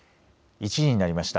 １時になりました。